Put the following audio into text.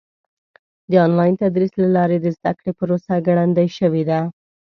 د آنلاین تدریس له لارې د زده کړې پروسه ګړندۍ شوې ده.